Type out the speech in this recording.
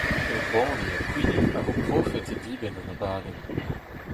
Ur banne ha kouignoù a vo profet e dibenn an abadenn.